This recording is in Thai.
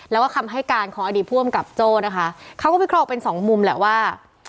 แล้วก็คำให้การของอดีตผู้อำกับโจ้นะคะเขาก็วิเคราะห์เป็นสองมุมแหละว่า